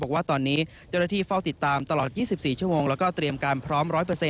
บอกว่าตอนนี้เจ้าหน้าที่เฝ้าติดตามตลอด๒๔ชั่วโมงแล้วก็เตรียมการพร้อม๑๐๐